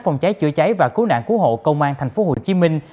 phòng cháy chữa cháy và cứu nạn cứu hộ công an thành phố hồ chí minh